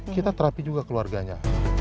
kita terapi juga keluarganya